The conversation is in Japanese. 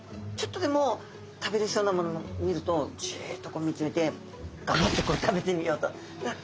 ちょっとでも食べれそうなものを見るとジッと見つめてガブッと食べてみようと。